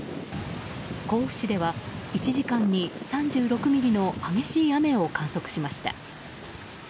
甲府市では１時間に３６ミリの激しい雨を観測しました。